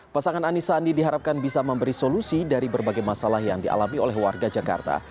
pasangan ani sandi diharapkan bisa memberi solusi dari berbagai masalah yang dialami oleh warga jakarta